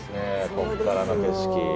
ここからの景色。